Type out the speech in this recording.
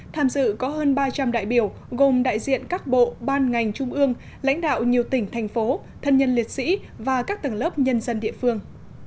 tham dự có hơn ba trăm linh đại biểu gồm đại diện các bộ ban ngành trung ương lãnh đạo nhiều tỉnh thành phố thân nhân liệt sĩ và các tầng lớp nhân dân địa phương